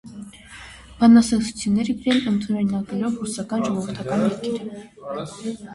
Բանաստեղծություններ է գրել՝ ընդօրինակելով ռուսական ժողովրդական երգերը։